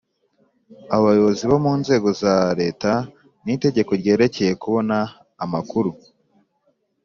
abayobozi bo mu nzego za leta n’itegeko ryerekeye kubona amakuru: